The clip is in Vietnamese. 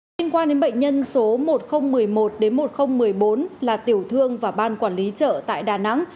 liên quan đến bệnh nhân số một nghìn một mươi một một nghìn một mươi bốn là tiểu thương và ban quản lý chợ tại đà nẵng